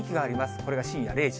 これが深夜０時。